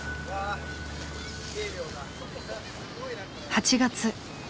８月。